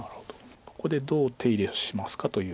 ここでどう手入れしますかという。